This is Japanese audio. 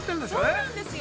◆そうなんですよ。